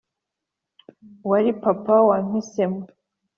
wari papa wampisemo.